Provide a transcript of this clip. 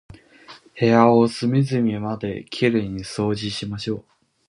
部屋を隅々まで綺麗に掃除しましょう。